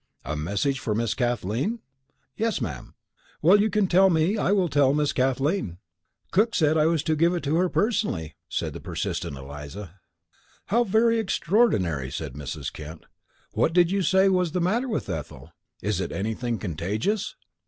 "A message for Miss Kathleen?" "Yes, ma'am." "Well, you can tell me, I will tell Miss Kathleen." "Cook said I was to give it to her personally," said the persistent Eliza. "How very extraordinary," said Mrs. Kent. "What did you say was the matter with Ethel is it anything contagious?"